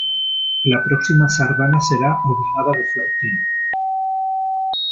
La próxima sardana será obligada de flautín.